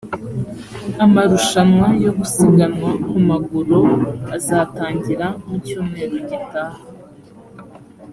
amarushanwa yo gusiganwa ku maguro azatangira mu cyumweru gitaha